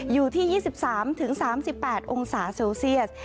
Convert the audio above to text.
อยู่ที่๒๓๓๘องศาเซลเซียส